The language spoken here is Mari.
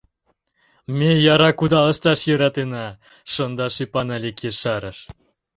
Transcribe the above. — Ме яра кудалышташ йӧратена, — шондаш ӱпан Алик ешарыш.